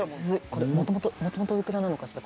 これもともともともとおいくらなのかしら？